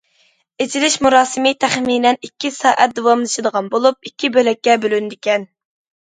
ئېچىلىش مۇراسىمى تەخمىنەن ئىككى سائەت داۋاملىشىدىغان بولۇپ، ئىككى بۆلەككە بۆلۈنىدىكەن.